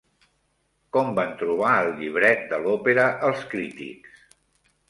Com van trobar el llibret de l'òpera els crítics?